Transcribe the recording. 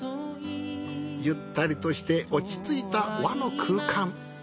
ゆったりとして落ち着いた和の空間。